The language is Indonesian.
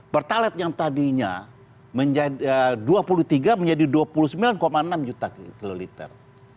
pertalet yang tadinya dua puluh tiga menjadi dua puluh sembilan enam juta kiloliter